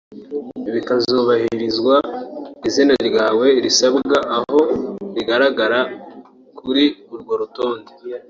bikazubahirizwa izina ryawe risibwa aho rigaragara kuri urwo rutonde